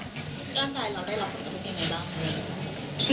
ร่างกายเราได้หลับเป็นคุณเป็นยังไงบ้าง